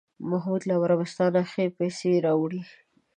محمود له عربستانه ښې پسې راوړې.